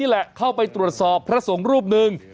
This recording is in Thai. แหละเข้าไปตรวจสอบพระสงฆ์รูปหนึ่ง